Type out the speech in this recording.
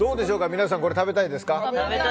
皆さん、これ食べたいですか？